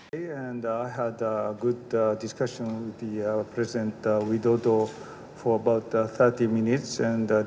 presiden widodo telah berada di sini selama tiga puluh menit